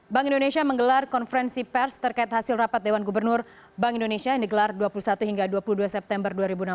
bank indonesia menggelar konferensi pers terkait hasil rapat dewan gubernur bank indonesia yang digelar dua puluh satu hingga dua puluh dua september dua ribu enam belas